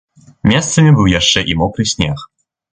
Месцамі быў яшчэ і мокры снег.